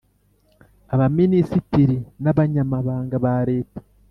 Abaminisitiri n Abanyamabanga ba Leta